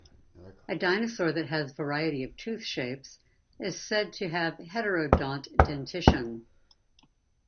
A dinosaur that has variety of tooth shapes is said to have heterodont dentition.